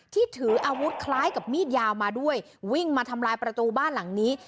ที่ถืออาวุธคล้ายกับมีดยาวมาด้วยวิ่งมาทำลายประตูบ้านหลังนี้